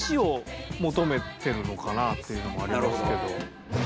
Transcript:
のかなあっていうのもありますけど。